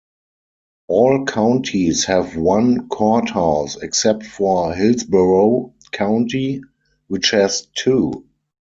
All counties have one courthouse except for Hillsborough County which has two.